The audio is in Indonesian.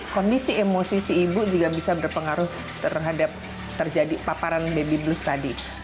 kondisi emosi si ibu juga bisa berpengaruh terhadap terjadi paparan baby blues tadi